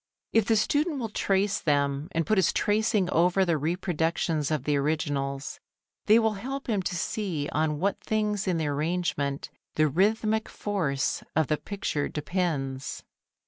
If the student will trace them and put his tracing over the reproductions of the originals, they will help him to see on what things in the arrangement the rhythmic force of the picture depends.